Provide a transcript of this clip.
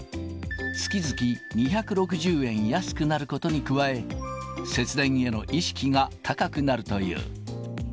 月々２６０円安くなることに加え、節電への意識が高くなるという。